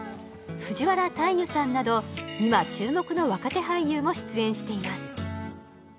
藤原大祐さんなど今注目の若手俳優も出演しています